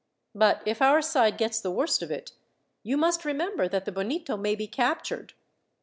But if our side gets the worst of it, you must remember that the Bonito may be captured."